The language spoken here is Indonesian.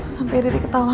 sampai riri ketawa